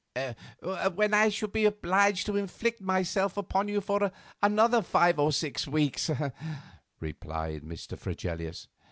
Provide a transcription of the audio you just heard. "When I should be obliged to inflict myself upon you for another five or six weeks," replied Mr. Fregelius.